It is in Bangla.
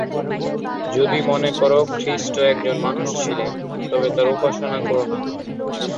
যদি মনে কর খ্রীষ্ট একজন মানুষ ছিলেন তবে তাঁর উপাসনা কর না।